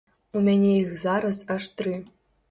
У мяне іх зараз аж тры.